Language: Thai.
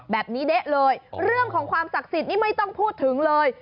แบบนี้เด๊ะเลยเรื่องของความศักดิ์สิทธิ์นี่ไม่ต้องพูดถึงเลย